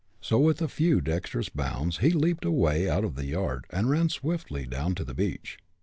So with a few dextrous bounds he leaped away out of the yard, and ran swiftly down to the beach.